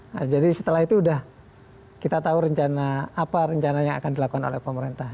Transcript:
nah jadi setelah itu sudah kita tahu rencana apa rencana yang akan dilakukan oleh pemerintah